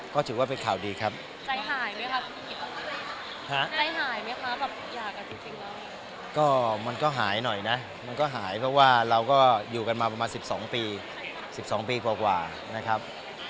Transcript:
ก็ถือว่าเป็นข่าวดีครับ